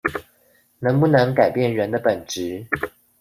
能不能改變人的本質